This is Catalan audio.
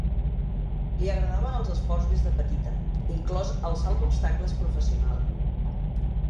Li agradaven els esports des de petita, inclòs el salt d'obstacles professional.